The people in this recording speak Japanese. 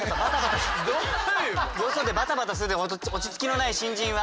よそでバタバタする落ち着きのない新人は。